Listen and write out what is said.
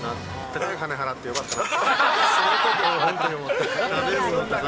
高い金払ってよかったな。